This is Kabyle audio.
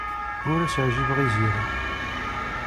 Ur as-ɛjibeɣ i Zira.